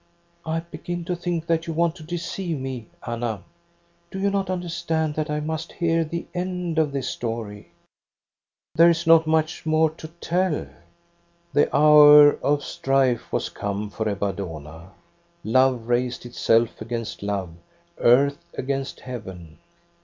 " I begin to think that you want to deceive me, Anna. Do you not understand that I must hear the end of this story ?" "There is not much more to tell. — The hour of EBB A DONNA'S STORY 229 Strife was come for Ebba Dohna. Love raised itself against love, earth against heaven.